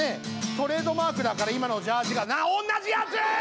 トレードマークだから今のジャージがおんなじやつ！